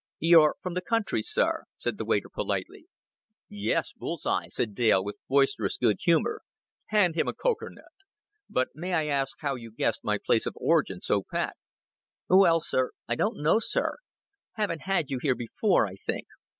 "You're from the country, sir," said the waiter, politely. "Yes, bull's eye," said Dale, with boisterous good humor. "Hand him out a cokernut. But may I ask how you guessed my place of origin so pat?" "Well, sir. I don't know, sir. Haven't had you here before, I think."